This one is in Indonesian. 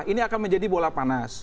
ini akan menjadi bola panas